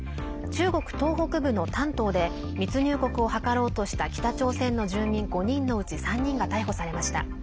中国東北部の丹東で密入国を図ろうとした北朝鮮の住民５人のうち３人が逮捕されました。